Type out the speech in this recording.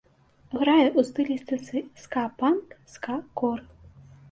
Грае ў стылістыцы ска-панк, ска-кор.